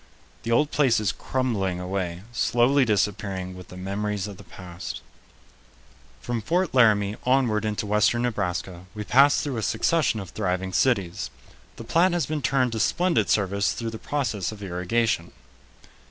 The old place is crumbling away, slowly disappearing with the memories of the past. [Illustration: Brown Bros. The desert after irrigation.] From Fort Laramie onward into western Nebraska we passed through a succession of thriving cities. The Platte has been turned to splendid service through the process of irrigation.